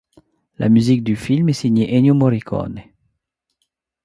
La musique du film est signée d'Ennio Morriconne.